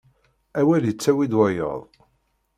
Awal ittawi-d wayeḍ.